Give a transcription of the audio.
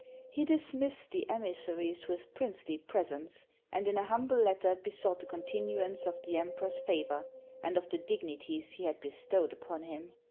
He dismissed the emissaries with princely presents; and in a humble letter besought the continuance of the Emperor's favor, and of the dignities he had bestowed upon him.